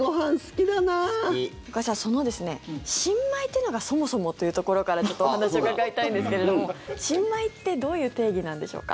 その新米というのがそもそもというところからお話お伺いしたいんですけれども新米ってどういう定義なんでしょうか？